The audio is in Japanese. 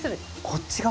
こっち側？